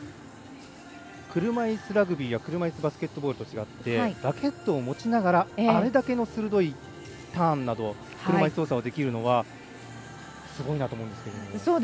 車いすラグビーや車いすバスケットボールと違ってラケットを持ちながらあれだけの鋭いターンなど車いす操作をできるのはすごいなと思いますけども。